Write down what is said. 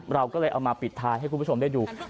เราก็เลยเอามาปิดท้ายให้คุณผู้ชมได้ดู